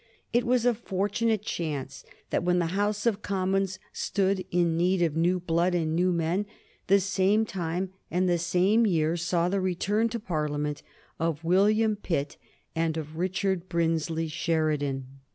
It was a fortunate chance that when the House of Commons stood in need of new blood and new men the same time and the same year saw the return to Parliament of William Pitt and of Richard Brinsley Sheridan.